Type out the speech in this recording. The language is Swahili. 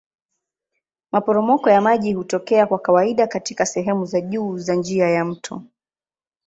Maporomoko ya maji hutokea kwa kawaida katika sehemu za juu ya njia ya mto.